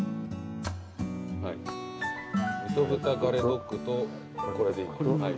みそ豚ガレドッグとこれでいい？